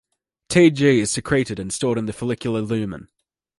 Tg is secreted and stored in the follicular lumen.